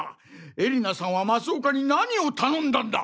絵里菜さんは増岡に何を頼んだんだ！？